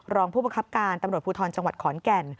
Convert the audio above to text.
รองผู้บังคับการตำรวจภูทรจังหวัดขอนแก่น